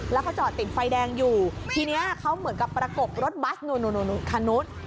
แล้วเขาจอดติดไฟแดงอยู่ทีนี้เขาเหมือนกับประกบรถบัสคันนู้น